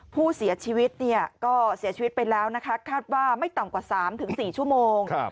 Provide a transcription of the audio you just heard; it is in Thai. ผู้เสียชีวิตก็เสียชีวิตไปแล้วนะคะคาดว่าไม่ต่ำกว่า๓๔ชั่วโมง